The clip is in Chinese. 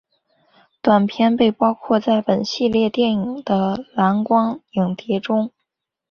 短片被包含在本系列电影的蓝光影碟中。